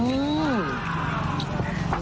อื้อ